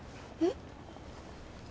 えっ？